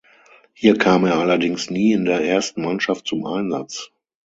Hier kam er allerdings nie in der ersten Mannschaft zum Einsatz.